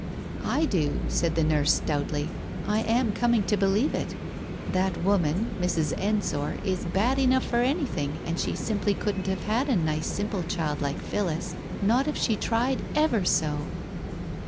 "I do," said the nurse stoutly. "I am coming to believe it. That woman — Mrs. Ensor — is bad enough for anything and she simply couldn't have had a nice simple child like Phillis, not if she tried ever so!"